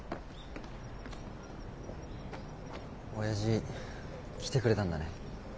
親父来てくれたんだね。